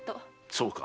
そうか。